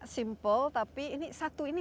simple tapi ini satu ini